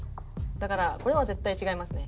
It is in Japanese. だからこれは絶対違いますね。